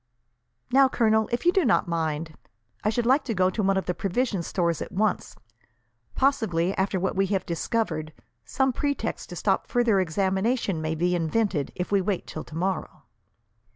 "Now, Colonel, if you do not mind, I should like to go to one of the provision stores at once. Possibly, after what we have discovered, some pretext to stop further examination may be invented, if we wait till tomorrow."